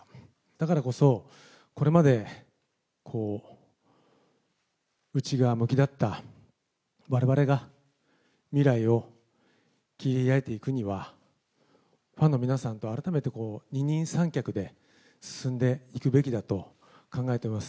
だからこそ、これまで内側向きだったわれわれが、未来を切り開いていくには、ファンの皆さんと改めて二人三脚で進んでいくべきだと考えています。